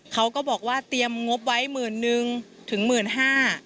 เขาก็บอกว่าเตรียมงบไว้หมื่นนึงถึงหมื่นห้า